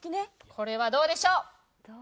これはどうでしょう？